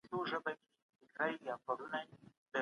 تاسي ولي په کوڅې کي ولاړ سواست؟